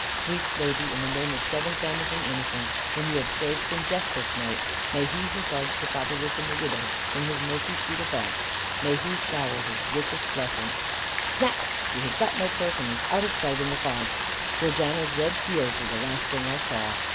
"Sweet lady, in the name of seven famishing innocents, whom you have saved from death this night, may He who guards the fatherless and the widow from His mercy seat above, may He shower his richest blessings " Snap she had got my purse and was out of sight in the fog. Georgiana's red heels were the last thing I saw.